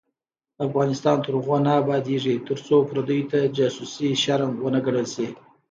افغانستان تر هغو نه ابادیږي، ترڅو پردیو ته جاسوسي شرم ونه ګڼل شي.